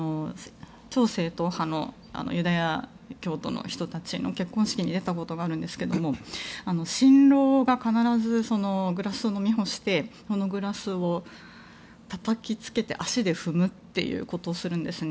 超正統派のユダヤ教徒の結婚式に出たことがありますが新郎が必ずグラスを飲み干してそのグラスをたたきつけて足で踏むということをするんですね。